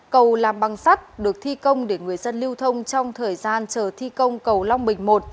cầu làm băng sắt được thi công để người dân lưu thông trong thời gian chờ thi công cầu long bình một